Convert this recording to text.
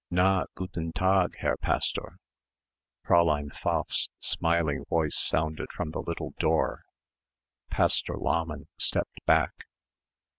"Na guten Tag, Herr Pastor." Fräulein Pfaff's smiling voice sounded from the little door. Pastor Lahmann stepped back.